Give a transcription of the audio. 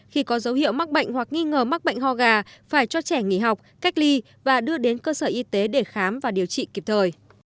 khi có dấu hiệu mắc bệnh hoặc nghi ngờ mắc bệnh ho gà phải cho trẻ nghỉ học cách ly và đưa đến cơ sở y tế để khám và điều trị kịp thời